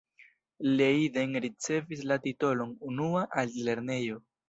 Leiden ricevis la titolon 'unua' altlernejo.